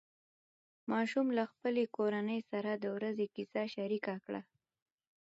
ماشوم له خپلې کورنۍ سره د ورځې کیسه شریکه کړه